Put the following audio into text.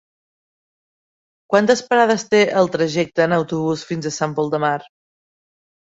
Quantes parades té el trajecte en autobús fins a Sant Pol de Mar?